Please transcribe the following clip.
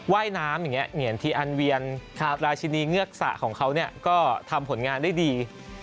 ว่ายน้ำอย่างนี้เหงียนทีอันเวียนราชินีเงือกสะของเขาก็ทำผลงานได้ดี